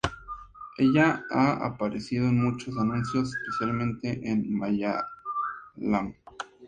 Ella ha aparecido en muchos anuncios, especialmente en Malayalam.